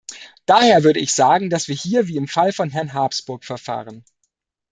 Daher würde ich sagen, dass wir hier wie im Fall von Herrn Habsburg verfahren.